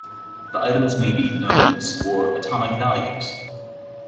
The items may be "nodes" or "atomic values".